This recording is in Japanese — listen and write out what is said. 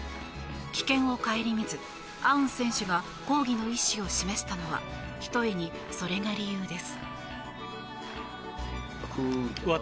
危険を顧みず、アウン選手が抗議の意思を示したのはひとえにそれが理由です。